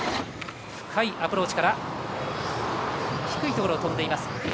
深いアプローチから低いところを飛んでいます。